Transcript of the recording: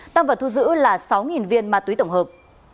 tăng vật thu giữ là sáu viên ma túy tổng hợp